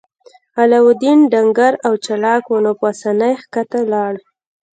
علاوالدین ډنګر او چلاک و نو په اسانۍ ښکته لاړ.